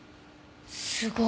すごい。